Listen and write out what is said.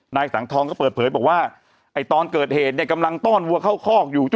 นายสังทองก็เปิดเผยบอกว่าไอ้ตอนเกิดเหตุเนี่ยกำลังต้อนวัวเข้าคอกอยู่